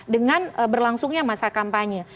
dengan berlangsungnya masa kampanye